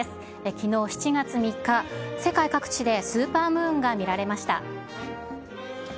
きのう７月３日、世界各地でスーパームーンが見られました。